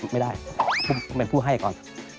ไม่ได้เป็นผู้ให้ก่อน